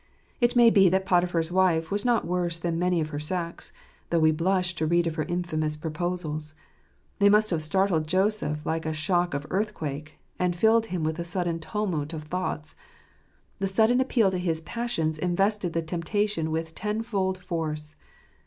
It may be that Potiphar's wife was not worse than many of her sex, though we blush to read of her infamous proposals. They j must have startled Joseph like a shock of earthquake, and filled him with a sudden tumult of thoughts. The sudden j appeal to his passions invested the temptation with tenfold | force.